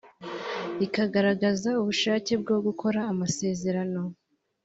rikagaragaza ubushake bwo gukora amasezerano